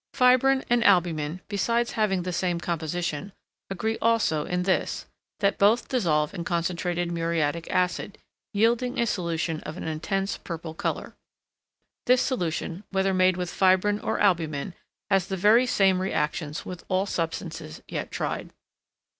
Fibrine and albumen, besides having the same composition, agree also in this, that both dissolve in concentrated muriatic acid, yielding a solution of an intense purple colour. This solution, whether made with fibrine or albumen, has the very same re actions with all substances yet tried.